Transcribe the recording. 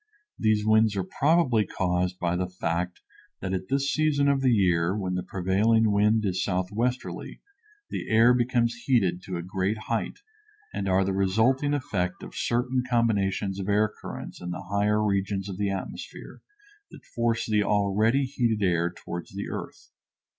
These winds are probably caused by the fact that at this season of the year, when the prevailing wind is southwesterly, the air becomes heated to a great height, and are the resulting effect of certain combinations of air currents in the higher regions of the atmosphere that force the already heated air toward the earth.